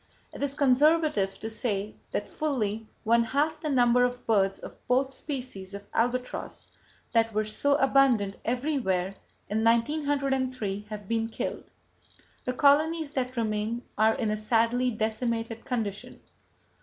It is conservative to say that fully one half the number of birds of both [Page 142] species of albatross that were so abundant everywhere in 1903 have been killed. The colonies that remain are in a sadly decimated condition.